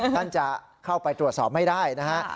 ท่านจะเข้าไปตรวจสอบไม่ได้นะฮะ